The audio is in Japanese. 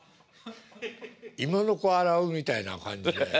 芋の子を洗うみたいな感じで。